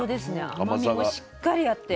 甘みもしっかりあって。